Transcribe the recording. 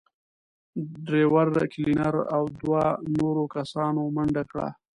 ډرېور، کلينر او دوو نورو کسانو منډه کړه.